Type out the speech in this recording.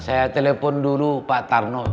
saya telepon dulu pak tarno